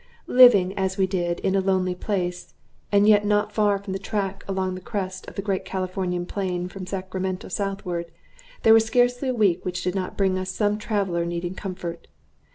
Living, as we did, in a lonely place, and yet not far from a track along the crest of the great Californian plain from Sacramento southward, there was scarcely a week which did not bring us some traveler needing comfort.